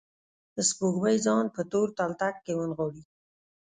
سپوږمۍ ځان په تور تلتک کې ونغاړلي